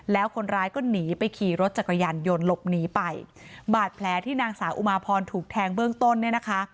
แล้วคนร้ายก็หนีไปขี่รถจักรยานยนต์หลบหนีไปบาดแผลที่นางสาวอุมาพรถูกแทงเบื้องต้นเนี่ยนะคะ